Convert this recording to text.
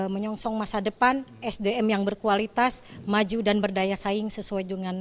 menyongsong masa depan sdm yang berkualitas maju dan berdaya saing sesuai dengan